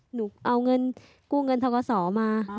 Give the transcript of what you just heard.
หนูเอาเงินกู้เงินทกศมา